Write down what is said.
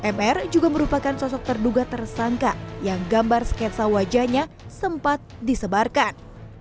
mr juga merupakan sosok terduga tersangka yang gambar sketsa wajahnya sempat disebarkan